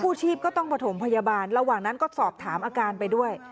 ชีพก็ต้องประถมพยาบาลระหว่างนั้นก็สอบถามอาการไปด้วย